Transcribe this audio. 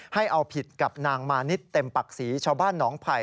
ให้เอาผิดกับนางมานิดเต็มปักศรีชาวบ้านหนองไผ่